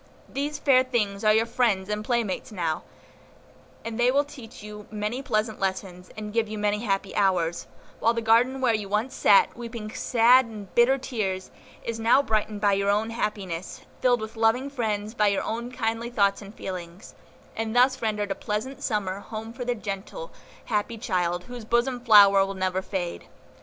These fair things are your friends and playmates now, and they will teach you many pleasant lessons, and give you many happy hours; while the garden where you once sat, weeping sad and bitter tears, is now brightened by your own happiness, filled with loving friends by your own kindly thoughts and feelings; and thus rendered a pleasant summer home for the gentle, happy child, whose bosom flower will never fade.